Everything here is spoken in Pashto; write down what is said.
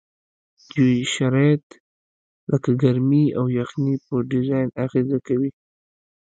جوي شرایط لکه ګرمي او یخنۍ په ډیزاین اغیزه کوي